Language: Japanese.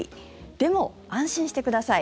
でも、安心してください。